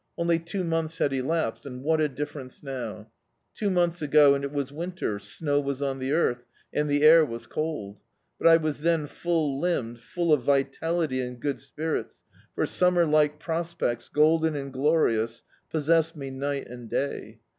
Only two months had elapsed, and what a difference now ! Two months ag(^ and it was winter, snow was on the earth, and the air was cold; but I was then full limbed, full of vitality and good spirits, for summer like pros pects ^Iden and glorious possessed me night and day.